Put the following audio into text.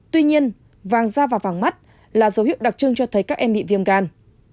tuy nhiên vàng da vào vàng mắt là dấu hiệu đặc trưng cho thấy các em bị viêm gan